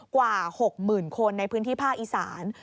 กว่า๖๐๐๐คนในพื้นที่ภาคอีสาน